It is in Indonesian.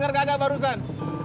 man lu denger kata barusan